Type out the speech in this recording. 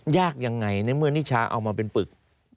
ยากยังไงในเมื่อนิชาเอามาเป็นปึก